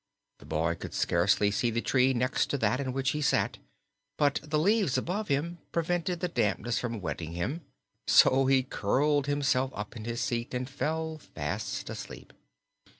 The boy could scarcely see the tree next to that in which he sat, but the leaves above him prevented the dampness from wetting him, so he curled himself up in his seat and fell fast asleep.